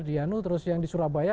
di yanu terus yang di surabaya